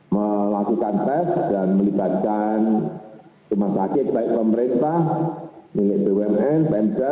melakukan tes dan melibatkan rumah sakit baik pemerintah milik bumn pemda